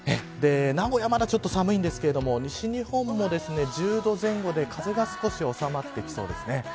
名古屋はまだちょっと寒いんですが西日本も１０度前後で風が少しおさまってきそうです。